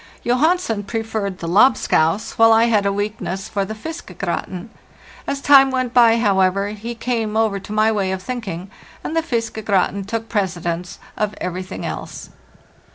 Johansen preferred the "lobscouse," while I had a weakness for the " fiskegratin." As time went by, however, he came over to my way of thinking, and the "fiskegratin" took precedence of everything else.